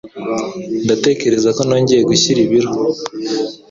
Ndatekereza ko nongeye gushyira ibiro.